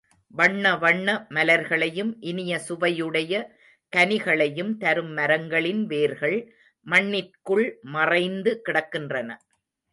வண்ண வண்ண மலர்களையும் இனிய சுவையுடைய கனிகளையும் தரும் மரங்களின் வேர்கள் மண்ணிற்குள் மறைந்து கிடக்கின்றன.